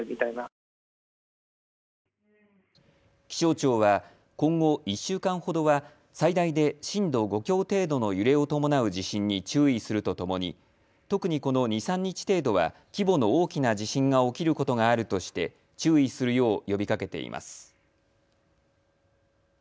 気象庁は今後、１週間ほどは最大で震度５強程度の揺れを伴う地震に注意するとともに特にこの２、３日程度は規模の大きな地震が起きることがあるとして注意するよう呼びかけています。